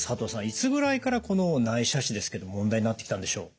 いつぐらいからこの内斜視ですけど問題になってきたんでしょう？